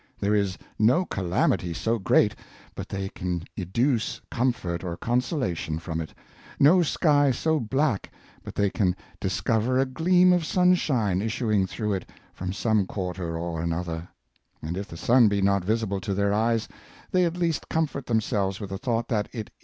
There is no calamity so great but they can educe comfort or consolation from it — no sky so black but they can discover a gleam of sunshine issuing through it from some quarter or an other; and if the sun be not visible to their eyes, they at least comfort themselves with the thought that it